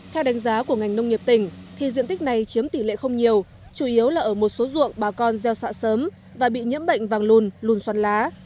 theo đánh giá của ngành nông nghiệp tỉnh thì diện tích này chiếm tỷ lệ không nhiều chủ yếu là ở một số ruộng bà con gieo xạ sớm và bị nhiễm bệnh vàng lùn lùn xoắn lá